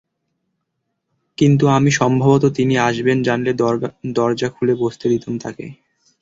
কিন্তু আমি সম্ভবত তিনি আসবেন জানলে দরজা খুলে বসতে দিতাম তাঁকে।